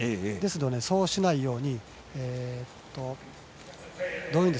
ですので、そうしないように。